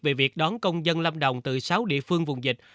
về việc đón công dân lâm đồng từ sáu địa phương vùng dịch